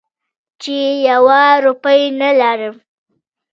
چې یوه روپۍ نه لرم.